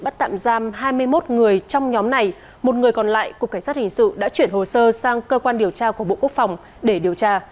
trong nhóm này một người còn lại cục cảnh sát hình sự đã chuyển hồ sơ sang cơ quan điều tra của bộ quốc phòng để điều tra